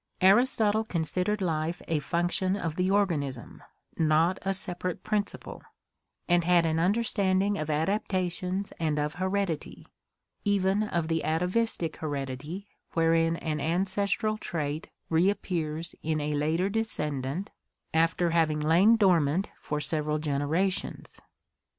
Aristotle considered life a function of the organism, not a sep arate principle, and had an understanding of adaptations and of heredity, even of the atavistic heredity wherein an ancestral trait reappears in a later descendant after having lain dormant for sev eral generations.